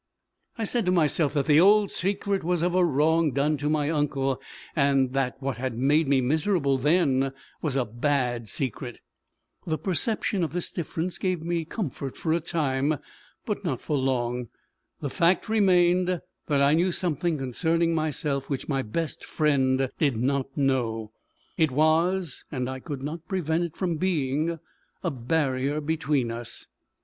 I said to myself that the old secret was of a wrong done to my uncle; that what had made me miserable then was a bad secret. The perception of this difference gave me comfort for a time, but not for long. The fact remained, that I knew something concerning myself which my best friend did not know. It was, and I could not prevent it from being, a barrier between us!